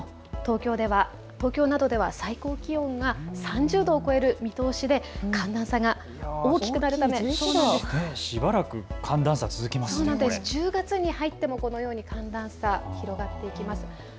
気象庁の予報ではあすも東京などでは最高気温は３０度を超える見通しで寒暖差が大きくなるためしばらく寒暖差続きますので１０月に入ってもこのように寒暖差広がっていきます。